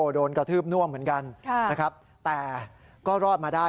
โดนกระทืบน่วมเหมือนกันนะครับแต่ก็รอดมาได้